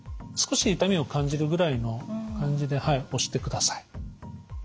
少しを痛みを感じるぐらいの感じで押してください。